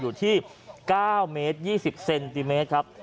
อยู่ที่๙เมตร๒๐เซนติเมตรครับ